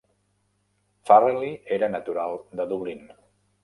Farrelly era natural de Dublín.